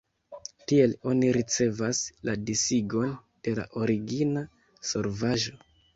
Tiel oni ricevas la disigon de la origina solvaĵo.